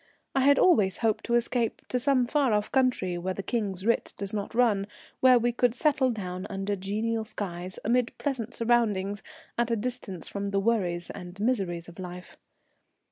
I had always hoped to escape to some far off country where the King's writ does not run, where we could settle down under genial skies, amid pleasant surroundings, at a distance from the worries and miseries of life.